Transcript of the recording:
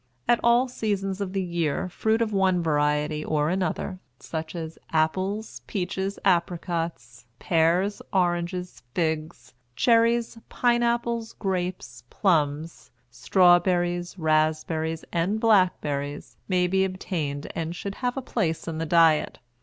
At all seasons of the year fruit of one variety or another, such as apples, peaches, apricots, pears, oranges, figs, cherries, pineapples, grapes, plums, strawberries, raspberries, and blackberries may be obtained and should have a place in the diet.